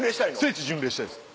聖地巡礼したいです。